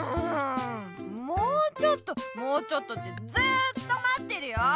もうちょっともうちょっとってずっとまってるよ！